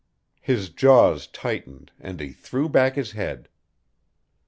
His jaws tightened, and he threw back his head.